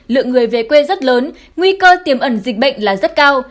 lượng người về quê rất lớn nguy cơ tiềm ẩn dịch bệnh là rất cao